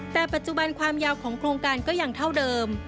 แต่ปัจจุบันความยาวของโครงการก็ยังเท่าเดิม